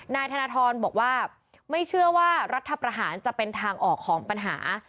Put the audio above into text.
นายธนทรบอกว่าไม่เชื่อว่ารัฐประหารจะเป็นทางออกของปัญหา